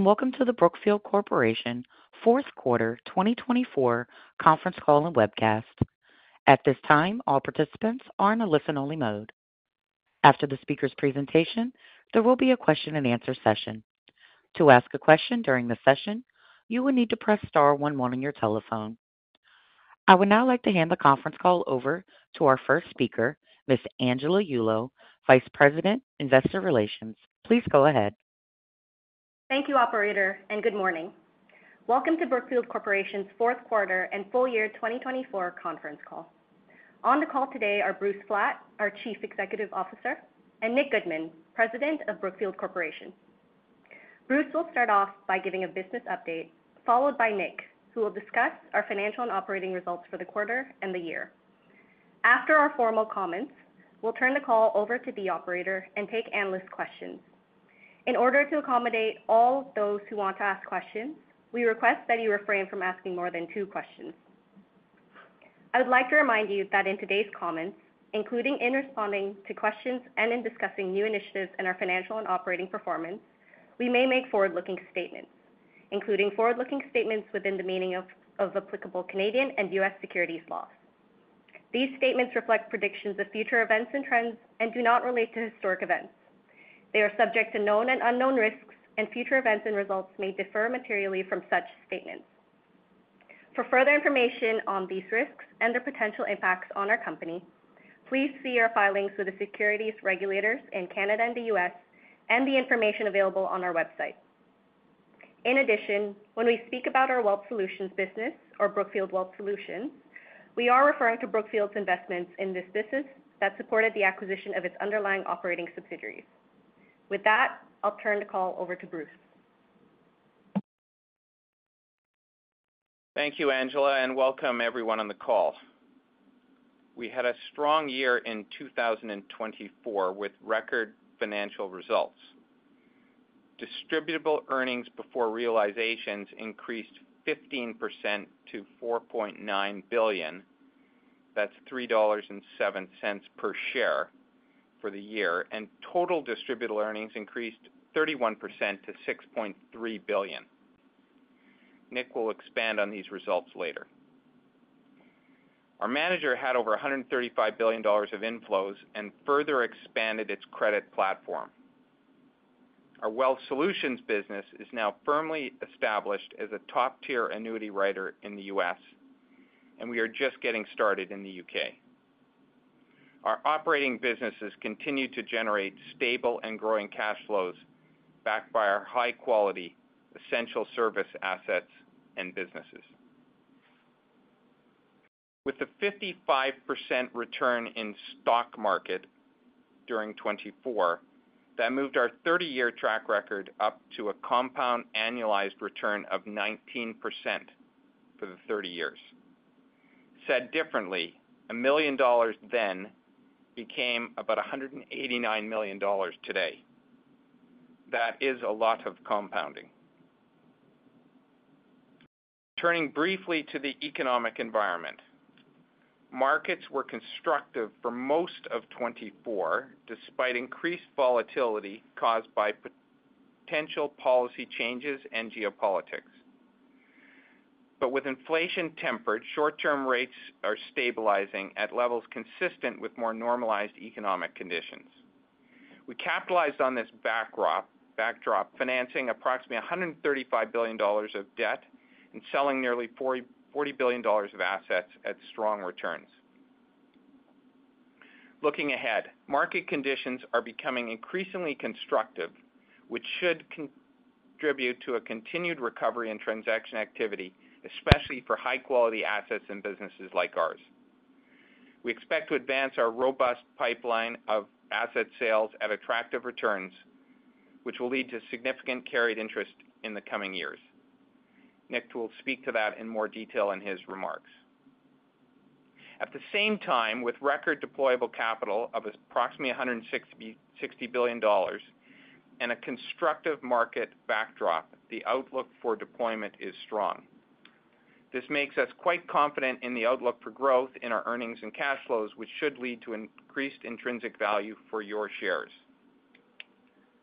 Welcome to the Brookfield Corporation Fourth Quarter 2024 Conference Call and Webcast. At this time, all participants are in a listen-only mode. After the speaker's presentation, there will be a question-and-answer session. To ask a question during the session, you will need to press star one-one on your telephone. I would now like to hand the conference call over to our first speaker, Ms. Angela Yulo, Vice President, Investor Relations. Please go ahead. Thank you, Operator, and good morning. Welcome to Brookfield Corporation's Fourth Quarter and Full Year 2024 Conference Call. On the call today are Bruce Flatt, our Chief Executive Officer, and Nick Goodman, President of Brookfield Corporation. Bruce will start off by giving a business update, followed by Nick, who will discuss our financial and operating results for the quarter and the year. After our formal comments, we'll turn the call over to the Operator and take analyst questions. In order to accommodate all those who want to ask questions, we request that you refrain from asking more than two questions. I would like to remind you that in today's comments, including in responding to questions and in discussing new initiatives in our financial and operating performance, we may make forward-looking statements, including forward-looking statements within the meaning of applicable Canadian and U.S. securities laws. These statements reflect predictions of future events and trends and do not relate to historic events. They are subject to known and unknown risks, and future events and results may differ materially from such statements. For further information on these risks and their potential impacts on our company, please see our filings with the securities regulators in Canada and the U.S. and the information available on our website. In addition, when we speak about our Wealth Solutions business, or Brookfield Wealth Solutions, we are referring to Brookfield's investments in this business that supported the acquisition of its underlying operating subsidiaries. With that, I'll turn the call over to Bruce. Thank you, Angela, and welcome everyone on the call. We had a strong year in 2024 with record financial results. Distributable earnings before realizations increased 15% to $4.9 billion. That's $3.07 per share for the year, and total distributable earnings increased 31% to $6.3 billion. Nick will expand on these results later. Our manager had over $135 billion of inflows and further expanded its credit platform. Our Wealth Solutions business is now firmly established as a top-tier annuity writer in the U.S., and we are just getting started in the U.K. Our operating businesses continue to generate stable and growing cash flows backed by our high-quality essential service assets and businesses. With a 55% return in stock market during 2024, that moved our 30-year track record up to a compound annualized return of 19% for the 30 years. Said differently, $1 million then became about $189 million today. That is a lot of compounding. Turning briefly to the economic environment, markets were constructive for most of 2024 despite increased volatility caused by potential policy changes and geopolitics. But with inflation tempered, short-term rates are stabilizing at levels consistent with more normalized economic conditions. We capitalized on this backdrop, financing approximately $135 billion of debt and selling nearly $40 billion of assets at strong returns. Looking ahead, market conditions are becoming increasingly constructive, which should contribute to a continued recovery in transaction activity, especially for high-quality assets and businesses like ours. We expect to advance our robust pipeline of asset sales at attractive returns, which will lead to significant carried interest in the coming years. Nick will speak to that in more detail in his remarks. At the same time, with record deployable capital of approximately $160 billion and a constructive market backdrop, the outlook for deployment is strong. This makes us quite confident in the outlook for growth in our earnings and cash flows, which should lead to increased intrinsic value for your shares.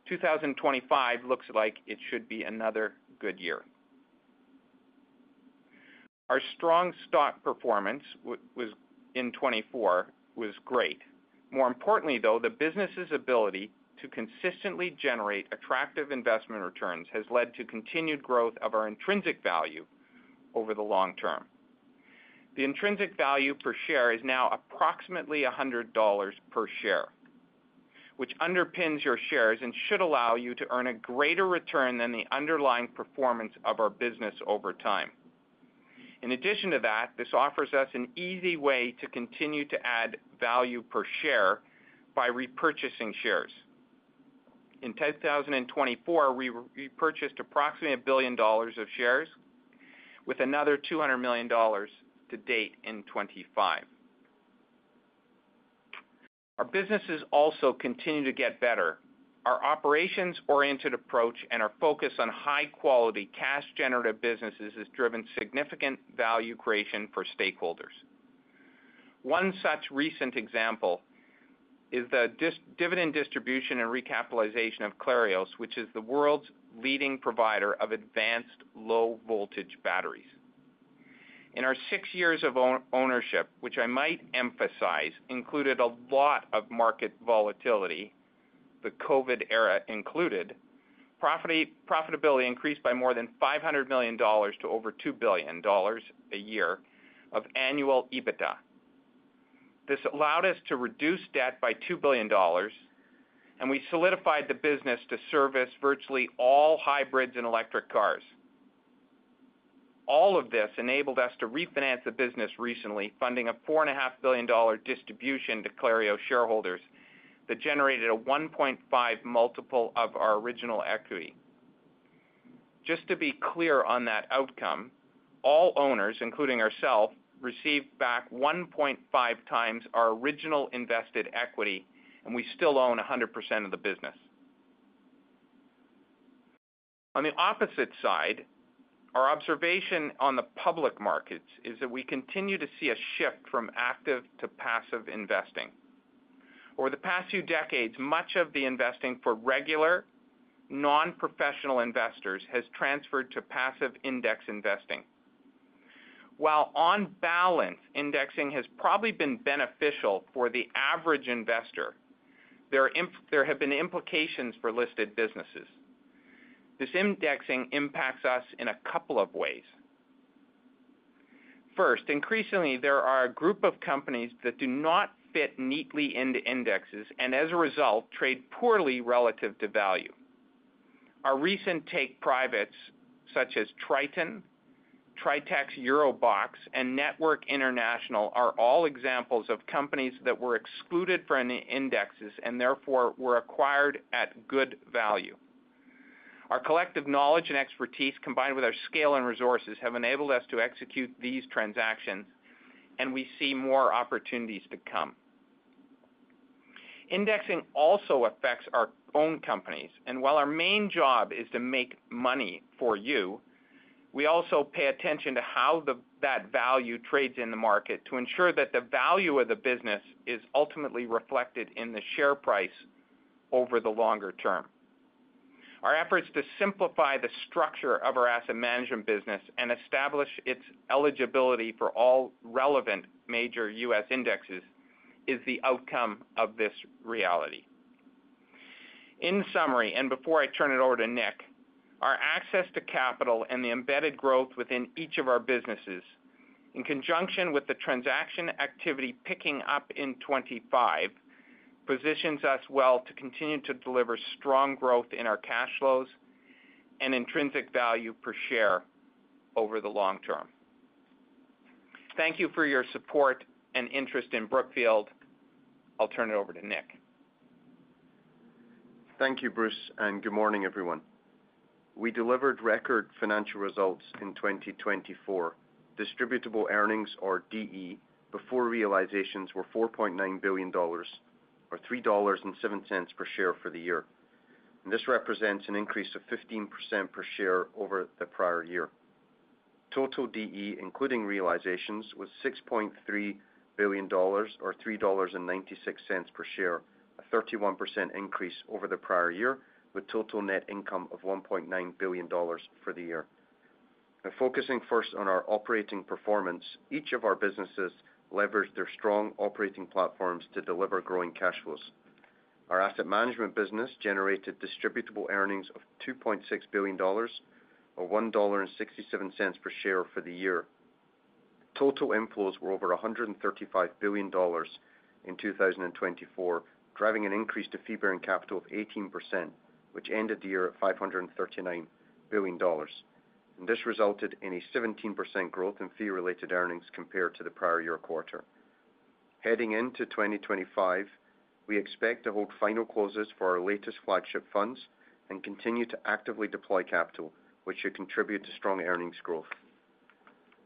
2025 looks like it should be another good year. Our strong stock performance in 2024 was great. More importantly, though, the business's ability to consistently generate attractive investment returns has led to continued growth of our intrinsic value over the long term. The intrinsic value per share is now approximately $100 per share, which underpins your shares and should allow you to earn a greater return than the underlying performance of our business over time. In addition to that, this offers us an easy way to continue to add value per share by repurchasing shares. In 2024, we repurchased approximately $1 billion of shares, with another $200 million to date in 2025. Our businesses also continue to get better. Our operations-oriented approach and our focus on high-quality cash-generative businesses has driven significant value creation for stakeholders. One such recent example is the dividend distribution and recapitalization of Clarios, which is the world's leading provider of advanced low-voltage batteries. In our six years of ownership, which I might emphasize included a lot of market volatility, the COVID era included, profitability increased by more than $500 million to over $2 billion a year of annual EBITDA. This allowed us to reduce debt by $2 billion, and we solidified the business to service virtually all hybrids and electric cars. All of this enabled us to refinance the business recently, funding a $4.5 billion distribution to Clarios shareholders that generated a 1.5 multiple of our original equity. Just to be clear on that outcome, all owners, including ourselves, received back 1.5 times our original invested equity, and we still own 100% of the business. On the opposite side, our observation on the public markets is that we continue to see a shift from active to passive investing. Over the past few decades, much of the investing for regular non-professional investors has transferred to passive index investing. While on balance, indexing has probably been beneficial for the average investor, there have been implications for listed businesses. This indexing impacts us in a couple of ways. First, increasingly, there are a group of companies that do not fit neatly into indexes and, as a result, trade poorly relative to value. Our recent take privates such as Triton, Tritax EuroBox, and Network International are all examples of companies that were excluded from the indexes and therefore were acquired at good value. Our collective knowledge and expertise, combined with our scale and resources, have enabled us to execute these transactions, and we see more opportunities to come. Indexing also affects our own companies, and while our main job is to make money for you, we also pay attention to how that value trades in the market to ensure that the value of the business is ultimately reflected in the share price over the longer term. Our efforts to simplify the structure of our asset management business and establish its eligibility for all relevant major U.S. indexes is the outcome of this reality. In summary, and before I turn it over to Nick, our access to capital and the embedded growth within each of our businesses, in conjunction with the transaction activity picking up in 2025, positions us well to continue to deliver strong growth in our cash flows and intrinsic value per share over the long term. Thank you for your support and interest in Brookfield. I'll turn it over to Nick. Thank you, Bruce, and good morning, everyone. We delivered record financial results in 2024. Distributable earnings, or DE, before realizations were $4.9 billion, or $3.07 per share for the year. This represents an increase of 15% per share over the prior year. Total DE, including realizations, was $6.3 billion, or $3.96 per share, a 31% increase over the prior year, with total net income of $1.9 billion for the year. Focusing first on our operating performance, each of our businesses leveraged their strong operating platforms to deliver growing cash flows. Our asset management business generated distributable earnings of $2.6 billion, or $1.67 per share for the year. Total inflows were over $135 billion in 2024, driving an increase to fee-bearing capital of 18%, which ended the year at $539 billion. This resulted in a 17% growth in fee-related earnings compared to the prior year quarter. Heading into 2025, we expect to hold final closes for our latest flagship funds and continue to actively deploy capital, which should contribute to strong earnings growth.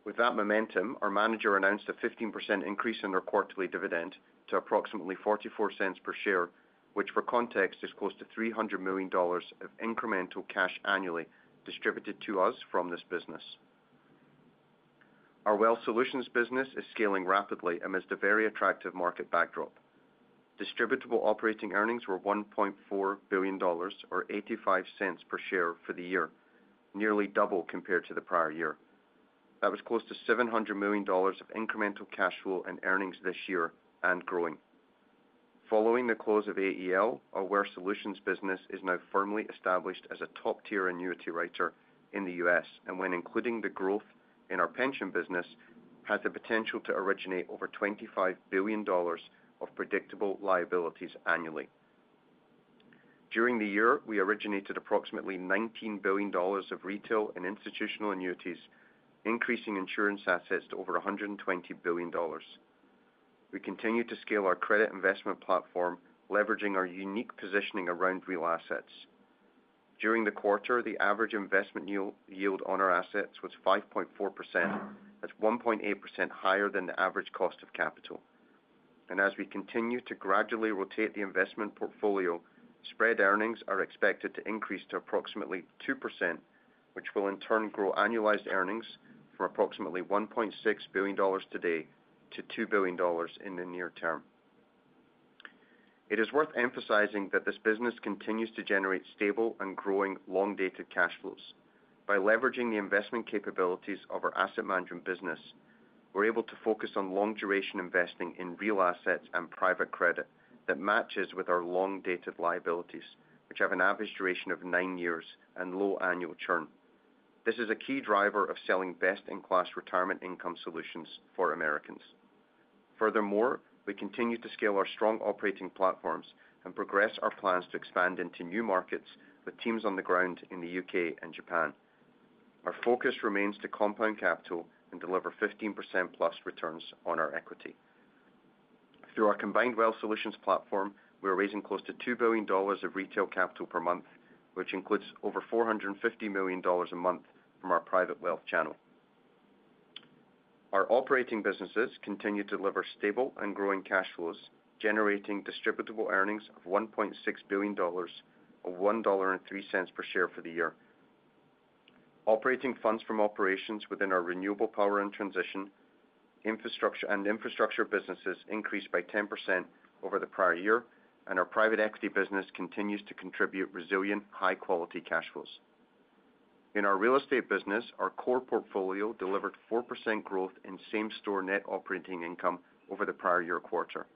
With that momentum, our manager announced a 15% increase in their quarterly dividend to approximately $0.44 per share, which, for context, is close to $300 million of incremental cash annually distributed to us from this business. Our Wealth Solutions business is scaling rapidly amidst a very attractive market backdrop. Distributable operating earnings were $1.4 billion, or $0.85 per share for the year, nearly double compared to the prior year. That was close to $700 million of incremental cash flow and earnings this year and growing. Following the close of AEL, our Wealth Solutions business is now firmly established as a top-tier annuity writer in the U.S. And when including the growth in our pension business, has the potential to originate over $25 billion of predictable liabilities annually. During the year, we originated approximately $19 billion of retail and institutional annuities, increasing insurance assets to over $120 billion. We continue to scale our credit investment platform, leveraging our unique positioning around real assets. During the quarter, the average investment yield on our assets was 5.4%, that's 1.8% higher than the average cost of capital. And as we continue to gradually rotate the investment portfolio, spread earnings are expected to increase to approximately 2%, which will in turn grow annualized earnings from approximately $1.6 billion today to $2 billion in the near term. It is worth emphasizing that this business continues to generate stable and growing long-dated cash flows. By leveraging the investment capabilities of our asset management business, we're able to focus on long-duration investing in real assets and private credit that matches with our long-dated liabilities, which have an average duration of nine years and low annual churn. This is a key driver of selling best-in-class retirement income solutions for Americans. Furthermore, we continue to scale our strong operating platforms and progress our plans to expand into new markets with teams on the ground in the U.K. and Japan. Our focus remains to compound capital and deliver 15% plus returns on our equity. Through our combined Wealth Solutions platform, we are raising close to $2 billion of retail capital per month, which includes over $450 million a month from our private wealth channel. Our operating businesses continue to deliver stable and growing cash flows, generating distributable earnings of $1.6 billion, or $1.03 per share for the year. Operating funds from operations within our renewable power and transition and infrastructure businesses increased by 10% over the prior year, and our private equity business continues to contribute resilient, high-quality cash flows. In our real estate business, our core portfolio delivered 4% growth in same-store net operating income over the prior year quarter.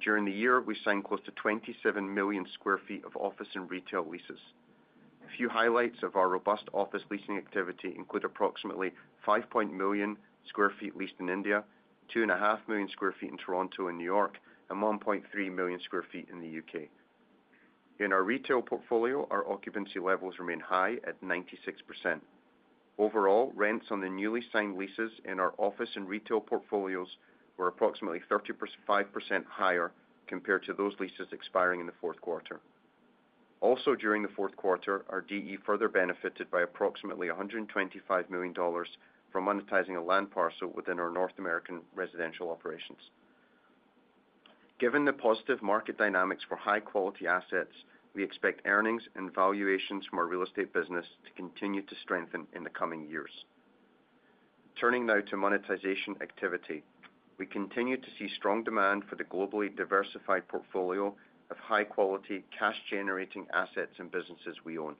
During the year, we signed close to 27 million sq ft of office and retail leases. A few highlights of our robust office leasing activity include approximately 5.1 million sq ft leased in India, 2.5 million sq ft in Toronto and New York, and 1.3 million sq ft in the U.K. In our retail portfolio, our occupancy levels remain high at 96%. Overall, rents on the newly signed leases in our office and retail portfolios were approximately 5% higher compared to those leases expiring in the fourth quarter. Also, during the fourth quarter, our DE further benefited by approximately $125 million from monetizing a land parcel within our North American residential operations. Given the positive market dynamics for high-quality assets, we expect earnings and valuations from our real estate business to continue to strengthen in the coming years. Turning now to monetization activity, we continue to see strong demand for the globally diversified portfolio of high-quality cash-generating assets and businesses we own.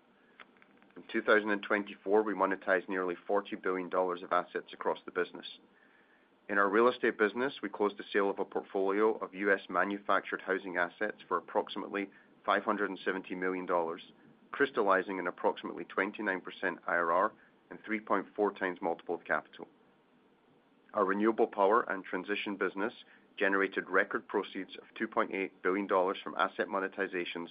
In 2024, we monetized nearly $40 billion of assets across the business. In our real estate business, we closed the sale of a portfolio of U.S. manufactured housing assets for approximately $570 million, crystallizing an approximately 29% IRR and 3.4 times multiple of capital. Our renewable power and transition business generated record proceeds of $2.8 billion from asset monetizations,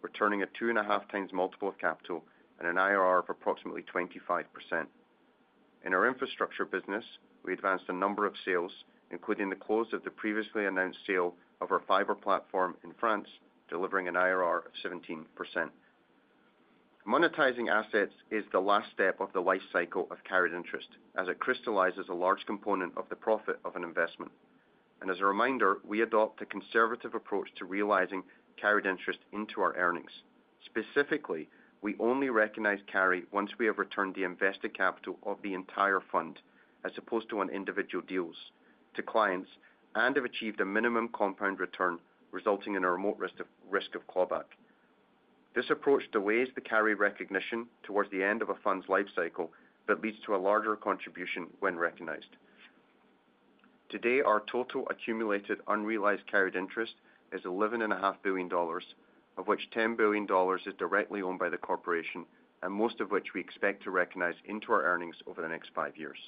returning a 2.5 times multiple of capital and an IRR of approximately 25%. In our infrastructure business, we advanced a number of sales, including the close of the previously announced sale of our fiber platform in France, delivering an IRR of 17%. Monetizing assets is the last step of the life cycle of carried interest, as it crystallizes a large component of the profit of an investment. And as a reminder, we adopt a conservative approach to realizing carried interest into our earnings. Specifically, we only recognize carry once we have returned the invested capital of the entire fund, as opposed to on individual deals, to clients, and have achieved a minimum compound return, resulting in a remote risk of clawback. This approach delays the carry recognition towards the end of a fund's life cycle, but leads to a larger contribution when recognized. Today, our total accumulated unrealized carried interest is $11.5 billion, of which $10 billion is directly owned by the corporation, and most of which we expect to recognize into our earnings over the next five years.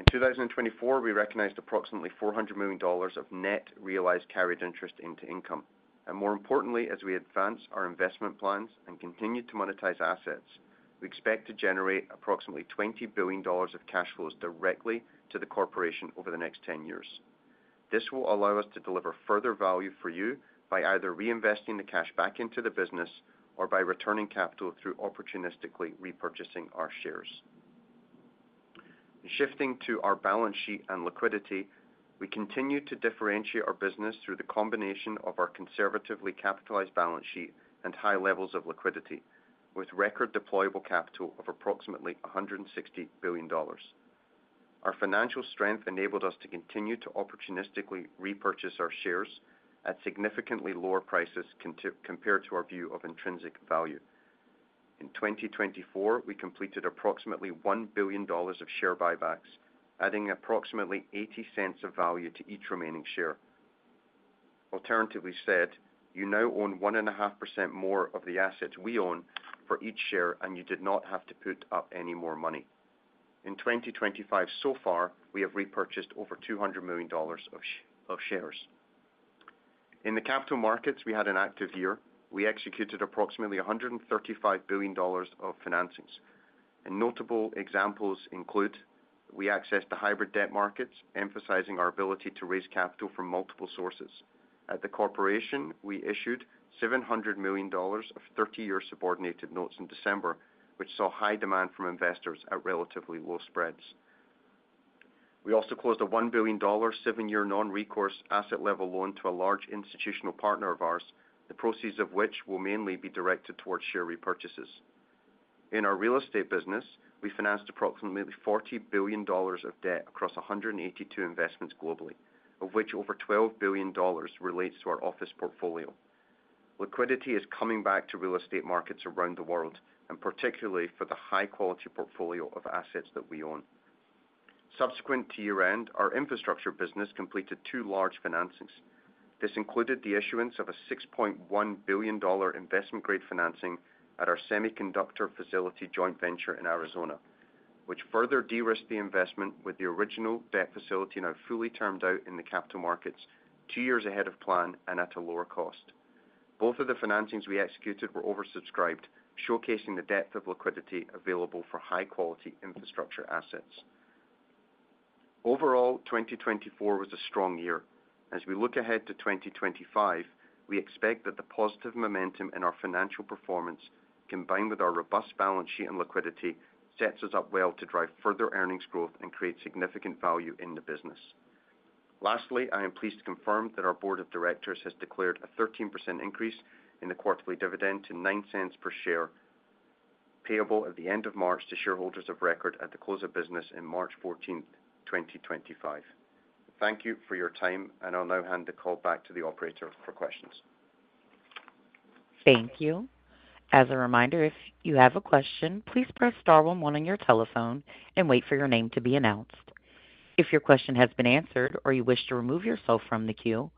In 2024, we recognized approximately $400 million of net realized carried interest into income, and more importantly, as we advance our investment plans and continue to monetize assets, we expect to generate approximately $20 billion of cash flows directly to the corporation over the next 10 years. This will allow us to deliver further value for you by either reinvesting the cash back into the business or by returning capital through opportunistically repurchasing our shares. Shifting to our balance sheet and liquidity, we continue to differentiate our business through the combination of our conservatively capitalized balance sheet and high levels of liquidity, with record deployable capital of approximately $160 billion. Our financial strength enabled us to continue to opportunistically repurchase our shares at significantly lower prices compared to our view of intrinsic value. In 2024, we completed approximately $1 billion of share buybacks, adding approximately $0.80 of value to each remaining share. Alternatively said, you now own 1.5% more of the assets we own for each share, and you did not have to put up any more money. In 2025 so far, we have repurchased over $200 million of shares. In the capital markets, we had an active year. We executed approximately $135 billion of financings, and notable examples include we accessed the hybrid debt markets, emphasizing our ability to raise capital from multiple sources. At the corporation, we issued $700 million of 30-year subordinated notes in December, which saw high demand from investors at relatively low spreads. We also closed a $1 billion seven-year non-recourse asset-level loan to a large institutional partner of ours, the proceeds of which will mainly be directed towards share repurchases. In our real estate business, we financed approximately $40 billion of debt across 182 investments globally, of which over $12 billion relates to our office portfolio. Liquidity is coming back to real estate markets around the world, and particularly for the high-quality portfolio of assets that we own. Subsequent to year-end, our infrastructure business completed two large financings. This included the issuance of a $6.1 billion investment-grade financing at our semiconductor facility joint venture in Arizona, which further de-risked the investment with the original debt facility now fully termed out in the capital markets, two years ahead of plan and at a lower cost. Both of the financings we executed were oversubscribed, showcasing the depth of liquidity available for high-quality infrastructure assets. Overall, 2024 was a strong year. As we look ahead to 2025, we expect that the positive momentum in our financial performance, combined with our robust balance sheet and liquidity, sets us up well to drive further earnings growth and create significant value in the business. Lastly, I am pleased to confirm that our board of directors has declared a 13% increase in the quarterly dividend to $0.9 per share, payable at the end of March to shareholders of record at the close of business on March 14, 2025. Thank you for your time, and I'll now hand the call back to the operator for questions. Thank you. As a reminder, if you have a question, please press star one one on your telephone and wait for your name to be announced. If your question has been answered or you wish to remove yourself from the queue,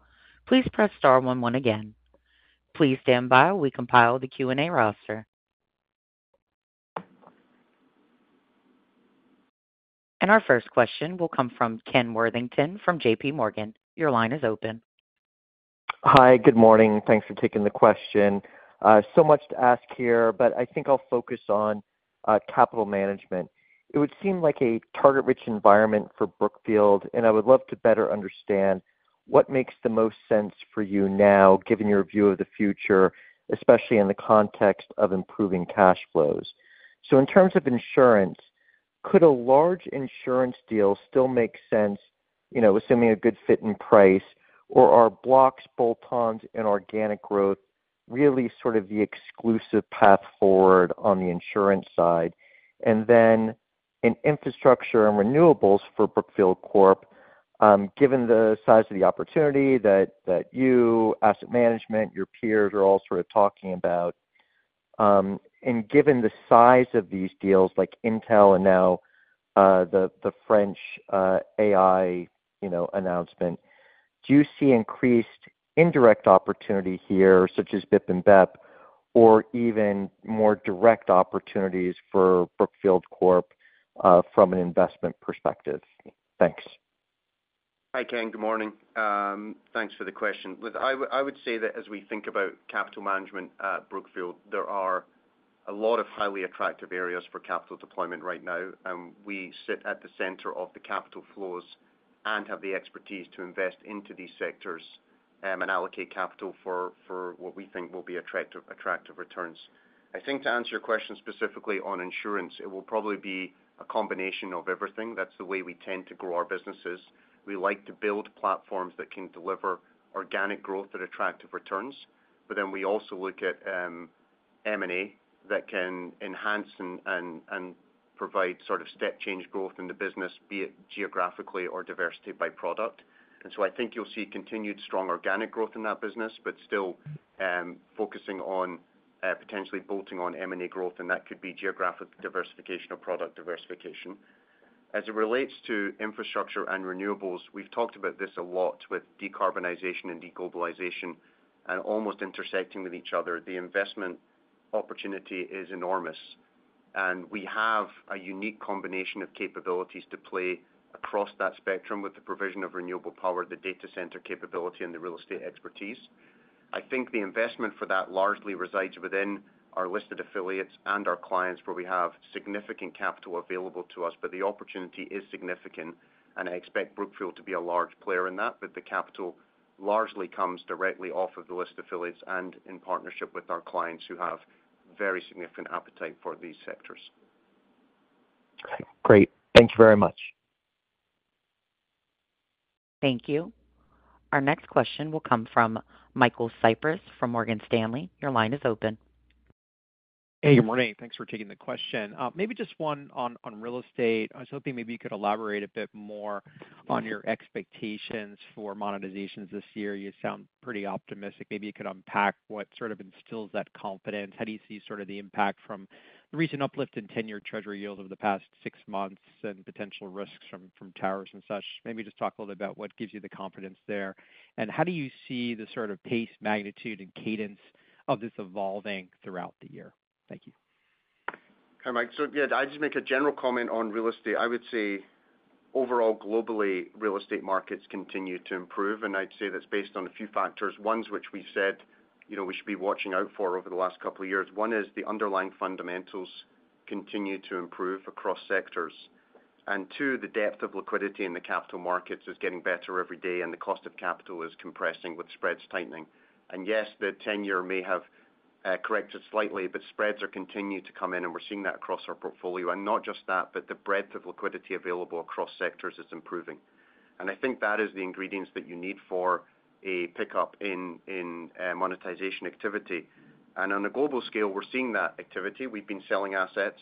please press star one one again. Please stand by while we compile the Q&A roster, and our first question will come from Ken Worthington from JPMorgan. Your line is open. Hi, good morning. Thanks for taking the question. So much to ask here, but I think I'll focus on capital management. It would seem like a target-rich environment for Brookfield, and I would love to better understand what makes the most sense for you now, given your view of the future, especially in the context of improving cash flows. So in terms of insurance, could a large insurance deal still make sense, assuming a good fit and price, or are blocks, bolt-ons, and organic growth really sort of the exclusive path forward on the insurance side? Then in infrastructure and renewables for Brookfield Corp, given the size of the opportunity that you, asset management, your peers are all sort of talking about, and given the size of these deals like Intel and now the French AI announcement, do you see increased indirect opportunity here, such as BIP and BEP, or even more direct opportunities for Brookfield Corp from an investment perspective? Thanks. Hi, Ken. Good morning. Thanks for the question. I would say that as we think about capital management at Brookfield, there are a lot of highly attractive areas for capital deployment right now. We sit at the center of the capital flows and have the expertise to invest into these sectors and allocate capital for what we think will be attractive returns. I think to answer your question specifically on insurance, it will probably be a combination of everything. That's the way we tend to grow our businesses. We like to build platforms that can deliver organic growth at attractive returns, but then we also look at M&A that can enhance and provide sort of step-change growth in the business, be it geographically or diversity by product. And so I think you'll see continued strong organic growth in that business, but still focusing on potentially bolting on M&A growth, and that could be geographic diversification or product diversification. As it relates to infrastructure and renewables, we've talked about this a lot with decarbonization and deglobalization and almost intersecting with each other. The investment opportunity is enormous, and we have a unique combination of capabilities to play across that spectrum with the provision of renewable power, the data center capability, and the real estate expertise. I think the investment for that largely resides within our listed affiliates and our clients, where we have significant capital available to us, but the opportunity is significant, and I expect Brookfield to be a large player in that, but the capital largely comes directly off of the listed affiliates and in partnership with our clients who have very significant appetite for these sectors. Great. Thank you very much. Thank you. Our next question will come from Michael Cyprys from Morgan Stanley. Your line is open. Hey, good morning. Thanks for taking the question. Maybe just one on real estate. I was hoping maybe you could elaborate a bit more on your expectations for monetizations this year. You sound pretty optimistic. Maybe you could unpack what sort of instills that confidence. How do you see sort of the impact from the recent uplift in 10-year Treasury yields over the past six months and potential risks from tariffs and such? Maybe just talk a little bit about what gives you the confidence there. And how do you see the sort of pace, magnitude, and cadence of this evolving throughout the year? Thank you. Hi, Mike. So yeah, I'd just make a general comment on real estate. I would say overall, globally, real estate markets continue to improve, and I'd say that's based on a few factors. One, which we said we should be watching out for over the last couple of years. One is the underlying fundamentals continue to improve across sectors. And two, the depth of liquidity in the capital markets is getting better every day, and the cost of capital is compressing with spreads tightening. And yes, the 10-year may have corrected slightly, but spreads are continuing to come in, and we're seeing that across our portfolio. And not just that, but the breadth of liquidity available across sectors is improving. And I think that is the ingredients that you need for a pickup in monetization activity. And on a global scale, we're seeing that activity. We've been selling assets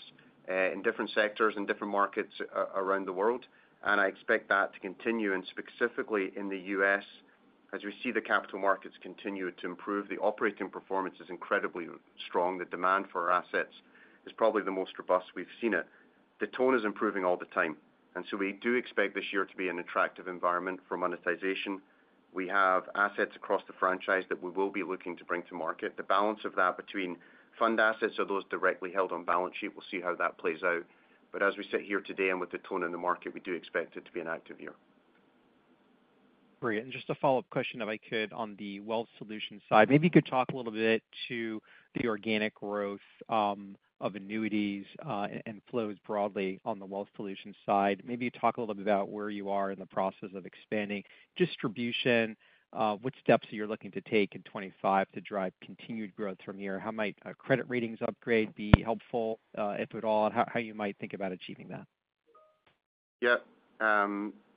in different sectors and different markets around the world, and I expect that to continue, and specifically in the U.S., as we see the capital markets continue to improve, the operating performance is incredibly strong. The demand for our assets is probably the most robust we've seen it. The tone is improving all the time, and so we do expect this year to be an attractive environment for monetization. We have assets across the franchise that we will be looking to bring to market. The balance of that between fund assets or those directly held on balance sheet, we'll see how that plays out, but as we sit here today and with the tone in the market, we do expect it to be an active year. Brilliant. And just a follow-up question, if I could, on the wealth solution side. Maybe you could talk a little bit to the organic growth of annuities and flows broadly on the wealth solution side. Maybe you talk a little bit about where you are in the process of expanding distribution, what steps you're looking to take in 2025 to drive continued growth from here. How might credit ratings upgrade be helpful, if at all, and how you might think about achieving that? Yeah.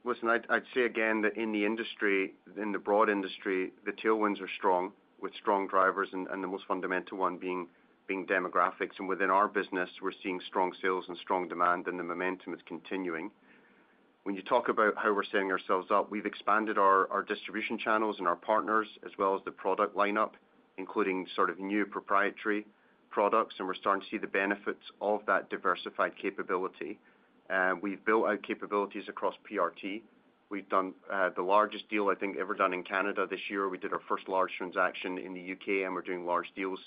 Listen, I'd say again that in the industry, in the broad industry, the tailwinds are strong with strong drivers, and the most fundamental one being demographics, and within our business, we're seeing strong sales and strong demand, and the momentum is continuing. When you talk about how we're setting ourselves up, we've expanded our distribution channels and our partners as well as the product lineup, including sort of new proprietary products, and we're starting to see the benefits of that diversified capability. We've built out capabilities across PRT. We've done the largest deal I think ever done in Canada this year. We did our first large transaction in the U.K., and we're doing large deals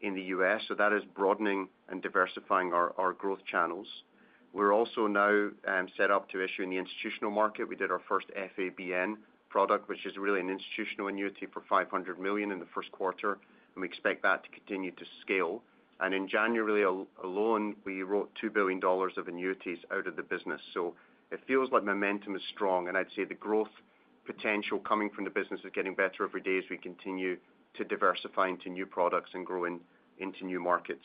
in the U.S., so that is broadening and diversifying our growth channels. We're also now set up to issue in the institutional market. We did our first FABN product, which is really an institutional annuity for $500 million in the first quarter, and we expect that to continue to scale, and in January alone, we wrote $2 billion of annuities out of the business, so it feels like momentum is strong, and I'd say the growth potential coming from the business is getting better every day as we continue to diversify into new products and grow into new markets.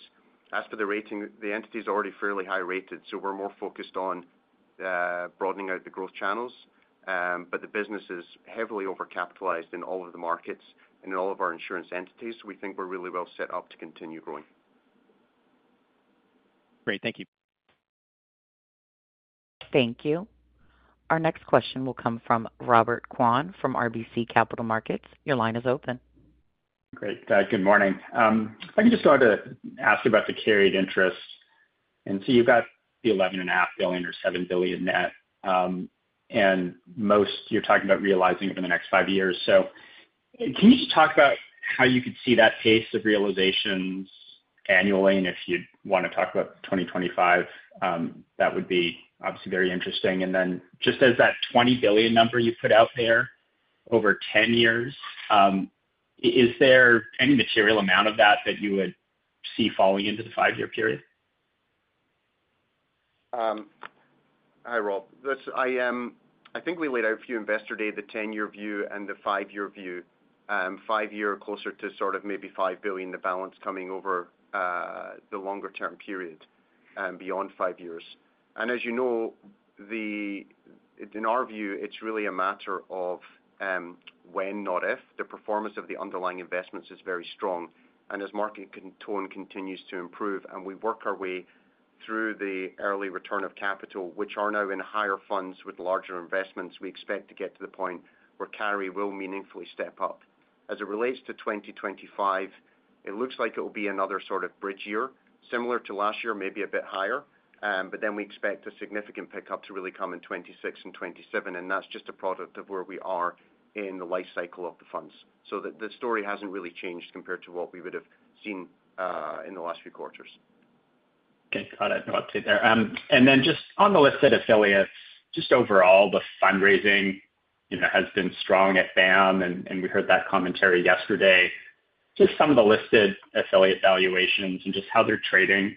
As for the rating, the entity is already fairly high rated, so we're more focused on broadening out the growth channels, but the business is heavily overcapitalized in all of the markets and in all of our insurance entities, so we think we're really well set up to continue growing. Great. Thank you. Thank you. Our next question will come from Robert Kwan from RBC Capital Markets. Your line is open. Great. Good morning. If I could just go ahead and ask about the carried interest. And so you've got the $11.5 billion or $7 billion net, and most you're talking about realizing over the next five years. So can you just talk about how you could see that pace of realizations annually? And if you'd want to talk about 2025, that would be obviously very interesting. And then just as that $20 billion number you put out there over 10 years, is there any material amount of that that you would see falling into the five-year period? Hi, Rob. I think we laid out a few investor days the 10-year view and the five-year view, five-year closer to sort of maybe $5 billion in the balance coming over the longer-term period beyond five years, and as you know, in our view, it's really a matter of when, not if. The performance of the underlying investments is very strong, and as market tone continues to improve and we work our way through the early return of capital, which are now in higher funds with larger investments, we expect to get to the point where carry will meaningfully step up. As it relates to 2025, it looks like it will be another sort of bridge year, similar to last year, maybe a bit higher, but then we expect a significant pickup to really come in 2026 and 2027, and that's just a product of where we are in the life cycle of the funds. So the story hasn't really changed compared to what we would have seen in the last few quarters. Okay. Got it. No update there. And then just on the listed affiliates, just overall, the fundraising has been strong at BAM, and we heard that commentary yesterday. Just some of the listed affiliate valuations and just how they're trading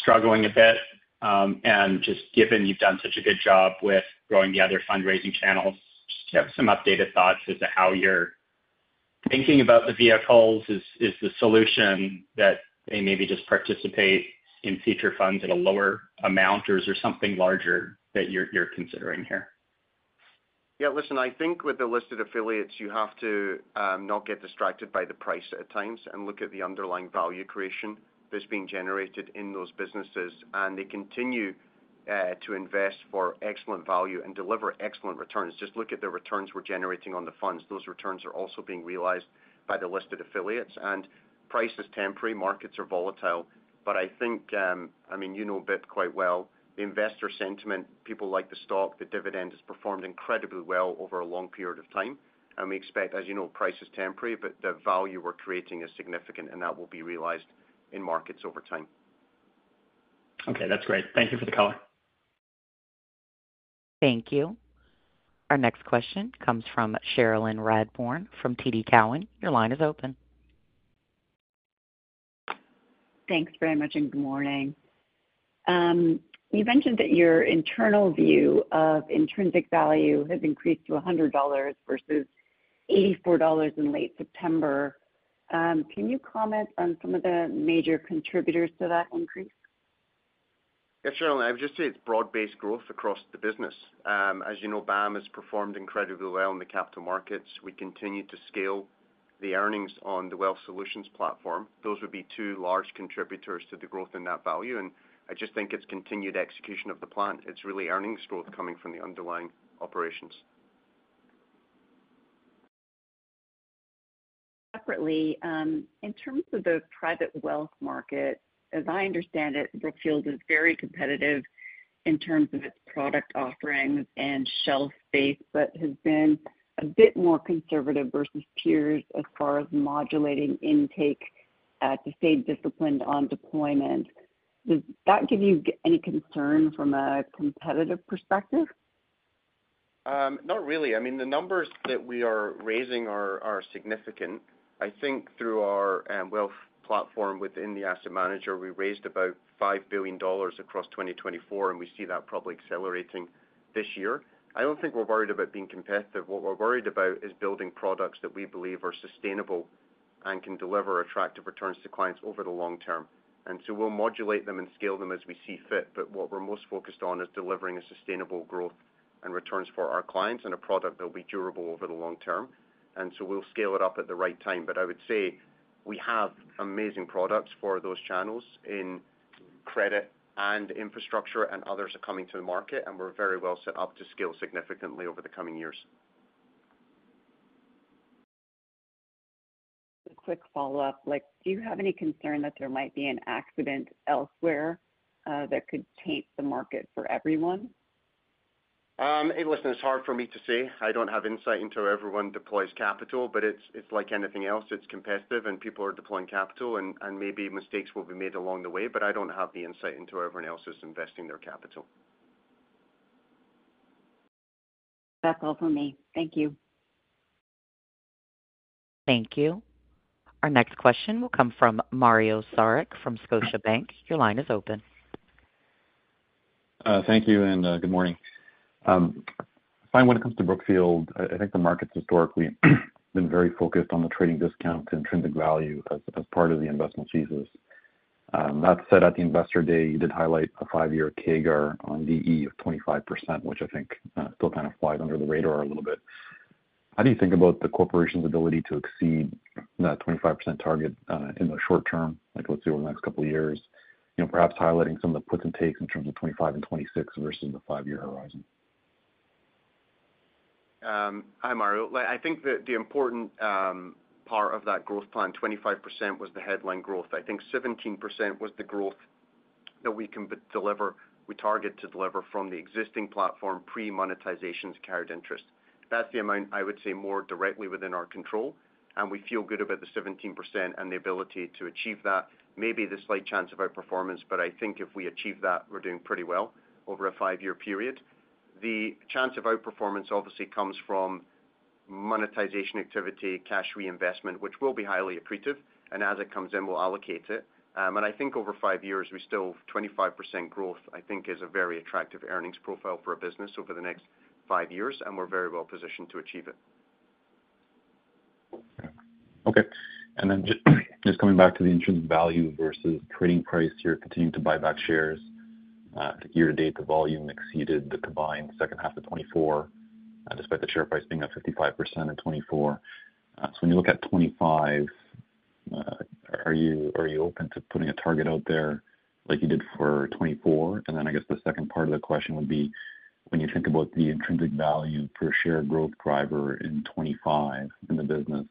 struggling a bit. And just given you've done such a good job with growing the other fundraising channels, just to have some updated thoughts as to how you're thinking about the vehicles, is the solution that they maybe just participate in future funds at a lower amount or is there something larger that you're considering here? Yeah. Listen, I think with the listed affiliates, you have to not get distracted by the price at times and look at the underlying value creation that's being generated in those businesses, and they continue to invest for excellent value and deliver excellent returns. Just look at the returns we're generating on the funds. Those returns are also being realized by the listed affiliates, and price is temporary. Markets are volatile, but I think, I mean, you know BIP quite well. The investor sentiment, people like the stock, the dividend has performed incredibly well over a long period of time, and we expect, as you know, price is temporary, but the value we're creating is significant, and that will be realized in markets over time. Okay. That's great. Thank you for the color. Thank you. Our next question comes from Cherilyn Radbourne from TD Cowen. Your line is open. Thanks very much and good morning. You mentioned that your internal view of intrinsic value has increased to $100 versus $84 in late September. Can you comment on some of the major contributors to that increase? Yeah, certainly. I would just say it's broad-based growth across the business. As you know, BAM has performed incredibly well in the capital markets. We continue to scale the earnings on the Wealth Solutions platform. Those would be two large contributors to the growth in that value, and I just think it's continued execution of the plan. It's really earnings growth coming from the underlying operations. Separately, in terms of the private wealth market, as I understand it, Brookfield is very competitive in terms of its product offerings and shelf space, but has been a bit more conservative versus peers as far as modulating intake to stay disciplined on deployment. Does that give you any concern from a competitive perspective? Not really. I mean, the numbers that we are raising are significant. I think through our wealth platform within the asset manager, we raised about $5 billion across 2024, and we see that probably accelerating this year. I don't think we're worried about being competitive. What we're worried about is building products that we believe are sustainable and can deliver attractive returns to clients over the long term, and so we'll modulate them and scale them as we see fit, but what we're most focused on is delivering a sustainable growth and returns for our clients and a product that will be durable over the long term. We'll scale it up at the right time, but I would say we have amazing products for those channels in credit and infrastructure and others are coming to the market, and we're very well set up to scale significantly over the coming years. A quick follow-up. Do you have any concern that there might be an accident elsewhere that could taint the market for everyone? Listen, it's hard for me to say. I don't have insight into how everyone deploys capital, but it's like anything else. It's competitive, and people are deploying capital, and maybe mistakes will be made along the way, but I don't have the insight into how everyone else is investing their capital. That's all for me. Thank you. Thank you. Our next question will come from Mario Saric from Scotiabank. Your line is open. Thank you and good morning. I find when it comes to Brookfield, I think the market's historically been very focused on the trading discount and intrinsic value as part of the investment thesis. That said, at the investor day, you did highlight a five-year CAGR on DE of 25%, which I think still kind of flies under the radar a little bit. How do you think about the corporation's ability to exceed that 25% target in the short term, let's say over the next couple of years, perhaps highlighting some of the puts and takes in terms of 2025 and 2026 versus the five-year horizon? Hi, Mario. I think that the important part of that growth plan, 25%, was the headline growth. I think 17% was the growth that we can deliver. We target to deliver from the existing platform, pre-monetization's carried interest. That's the amount I would say more directly within our control, and we feel good about the 17% and the ability to achieve that. Maybe the slight chance of outperformance, but I think if we achieve that, we're doing pretty well over a five-year period. The chance of outperformance obviously comes from monetization activity, cash reinvestment, which will be highly accretive, and as it comes in, we'll allocate it. And I think over five years, we still have 25% growth. I think it's a very attractive earnings profile for a business over the next five years, and we're very well positioned to achieve it. Okay. And then just coming back to the intrinsic value versus trading price, you're continuing to buy back shares. I think year to date, the volume exceeded the combined second half of 2024, despite the share price being up 55% in 2024. So when you look at 2025, are you open to putting a target out there like you did for 2024? And then I guess the second part of the question would be, when you think about the intrinsic value per share growth driver in 2025 in the business,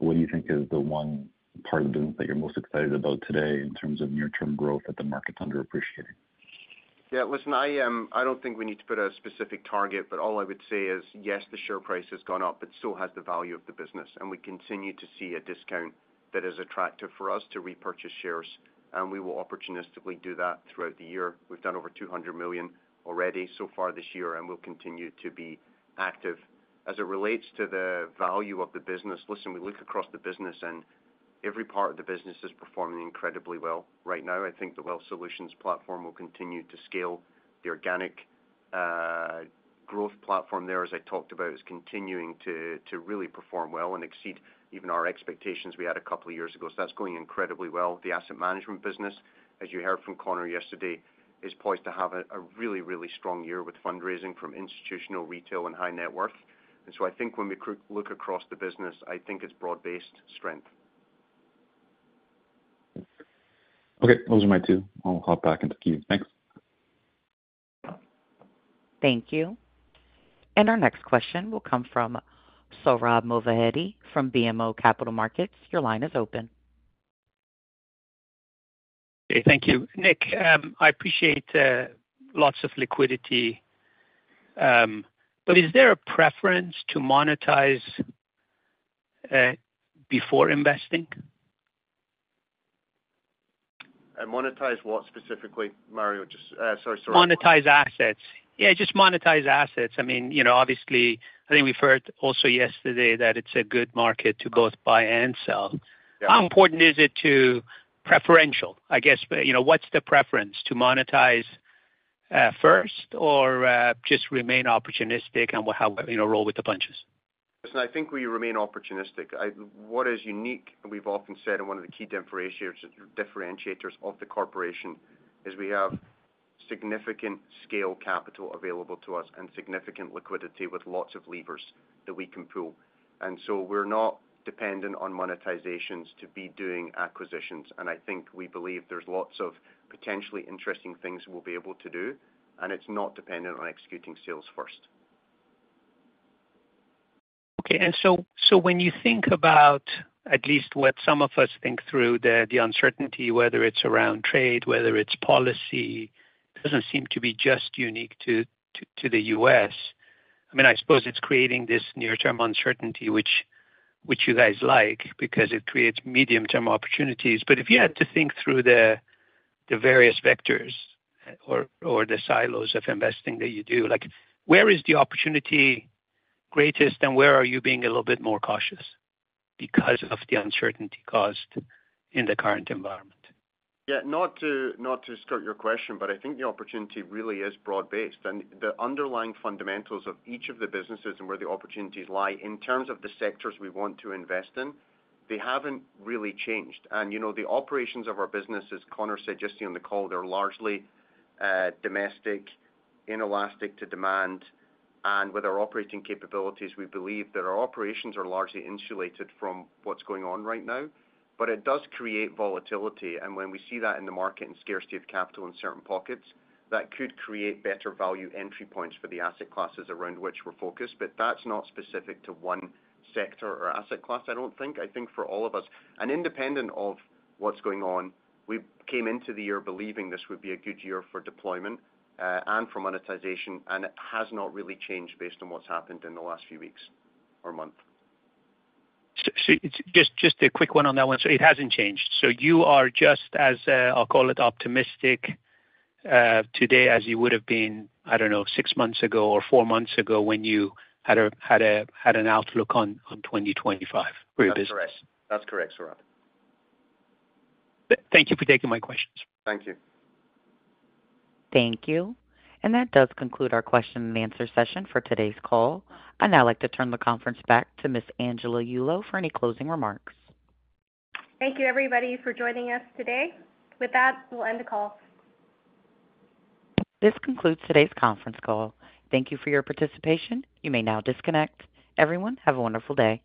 what do you think is the one part of the business that you're most excited about today in terms of near-term growth that the market's underappreciating? Yeah. Listen, I don't think we need to put a specific target, but all I would say is, yes, the share price has gone up, but still has the value of the business, and we continue to see a discount that is attractive for us to repurchase shares, and we will opportunistically do that throughout the year. We've done over $200 million already so far this year, and we'll continue to be active. As it relates to the value of the business, listen, we look across the business, and every part of the business is performing incredibly well right now. I think the Wealth Solutions platform will continue to scale. The organic growth platform there, as I talked about, is continuing to really perform well and exceed even our expectations we had a couple of years ago. So that's going incredibly well. The asset management business, as you heard from Connor yesterday, is poised to have a really, really strong year with fundraising from institutional retail and high net worth, and so I think when we look across the business, I think it's broad-based strength. Okay. Those are my two. I'll hop back into Q. Thanks. Thank you. And our next question will come from Sohrab Movaheedi from BMO Capital Markets. Your line is open. Okay. Thank you. Nick, I appreciate lots of liquidity, but is there a preference to monetize before investing? Monetize what specifically, Mario? Sorry, Sohrab. Monetize assets. Yeah, just monetize assets. I mean, obviously, I think we've heard also yesterday that it's a good market to both buy and sell. How important is it to preferential, I guess? What's the preference, to monetize first or just remain opportunistic and roll with the punches? Listen, I think we remain opportunistic. What is unique, and we've often said, and one of the key differentiators of the corporation is we have significant scale capital available to us and significant liquidity with lots of levers that we can pull. And so we're not dependent on monetizations to be doing acquisitions, and I think we believe there's lots of potentially interesting things we'll be able to do, and it's not dependent on executing sales first. Okay. And so when you think about, at least what some of us think through, the uncertainty, whether it's around trade, whether it's policy, doesn't seem to be just unique to the U.S. I mean, I suppose it's creating this near-term uncertainty, which you guys like because it creates medium-term opportunities. But if you had to think through the various vectors or the silos of investing that you do, where is the opportunity greatest and where are you being a little bit more cautious because of the uncertainty caused in the current environment? Yeah. Not to skirt your question, but I think the opportunity really is broad-based, and the underlying fundamentals of each of the businesses and where the opportunities lie in terms of the sectors we want to invest in, they haven't really changed. And the operations of our business, as Connor said just on the call, they're largely domestic, inelastic to demand, and with our operating capabilities, we believe that our operations are largely insulated from what's going on right now, but it does create volatility. And when we see that in the market and scarcity of capital in certain pockets, that could create better value entry points for the asset classes around which we're focused, but that's not specific to one sector or asset class, I don't think. I think for all of us, and independent of what's going on, we came into the year believing this would be a good year for deployment and for monetization, and it has not really changed based on what's happened in the last few weeks or months. Just a quick one on that one. So it hasn't changed. So you are just as, I'll call it, optimistic today as you would have been, I don't know, six months ago or four months ago when you had an outlook on 2025 for your business. That's correct. That's correct, Sohrab. Thank you for taking my questions. Thank you. Thank you. And that does conclude our question and answer session for today's call. I'd now like to turn the conference back to Ms. Angela Yulo for any closing remarks. Thank you, everybody, for joining us today. With that, we'll end the call. This concludes today's conference call. Thank you for your participation. You may now disconnect. Everyone, have a wonderful day.